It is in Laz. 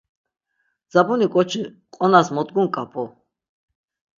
Dzabuni ǩoçi qonas mot gunǩap̌u?